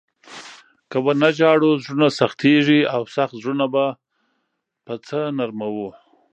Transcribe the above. که و نه ژاړو، زړونه سختېږي او سخت زړونه به په څه نرموو؟